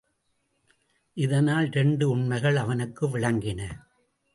இதனால் இரண்டு உண்மைகள் அவனுக்கு விளங்கின.